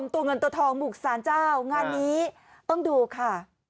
ตัวเงินตัวทองบุกสารเจ้างานนี้ต้องดูค่ะ